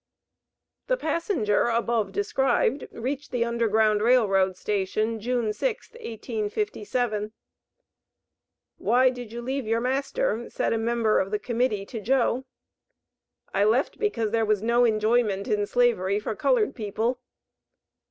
The passenger above described reached the Underground Rail Road station, June 6th, 1857. "Why did you leave your master?" said a member of the Committee to Joe. "I left because there was no enjoyment in slavery for colored people."